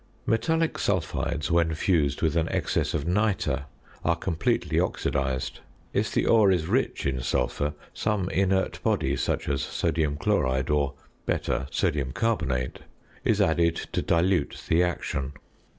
Metallic sulphides when fused with an excess of nitre are completely oxidised. If the ore is rich in sulphur, some inert body (such as sodium chloride, or, better, sodium carbonate) is added to dilute the action.